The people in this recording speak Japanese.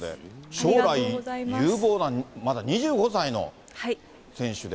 将来有望な、まだ２５歳の選手で。